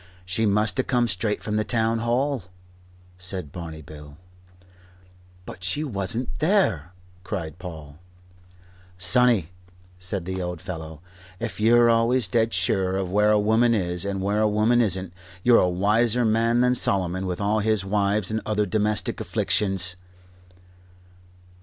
"She must ha' come straight from the Town Hall," said Barney Bill. "But she wasn't there," cried Paul. "Sonny," said the old fellow, "if you're always dead sure of where a woman is and where a woman isn't, you're a wiser man than Solomon with all his wives and other domestic afflictions."